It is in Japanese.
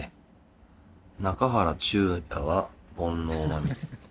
「中原中也は煩悩まみれ」。